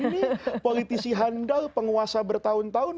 ini politisi handal penguasa bertahun tahun